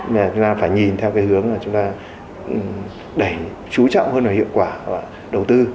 chúng ta phải nhìn theo cái hướng là chúng ta đẩy chú trọng hơn là hiệu quả và đầu tư